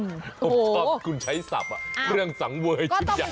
ผมชอบคุณใช้ศัพท์เครื่องสังเวยชุดใหญ่